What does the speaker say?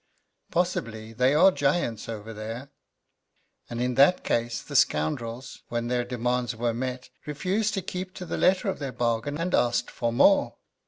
"Possibly; they are giants over there." "And in that case the scoundrels, when their demands were met, refused to keep to the letter of their bargain, and asked for more."